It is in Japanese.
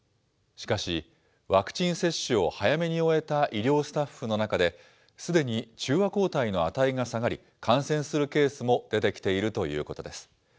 しかし、ワクチン接種を早めに終えた医療スタッフの中で、すでに中和抗体の値が下がり、感染するケースも出てきているということです。